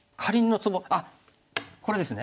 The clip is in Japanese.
あっこれですね。